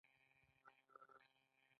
دلته د مزد د مختلفو ډولونو په اړه بحث کوو